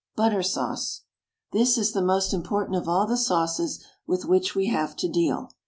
BUTTER SAUCE. This is the most important of all the sauces with which we have to deal.